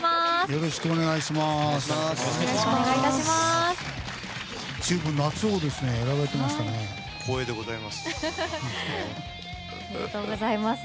よろしくお願いします。